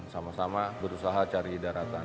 sama sama berusaha cari daratan